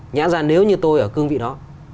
nhã ra nếu như tôi ở cương vị đó